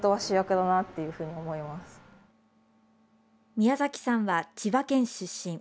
宮崎さんは、千葉県出身。